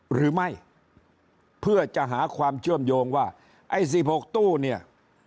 หรือไม่เพื่อจะหาความเชื่อมโยงว่าไอ้๑๖ตู้เนี่ย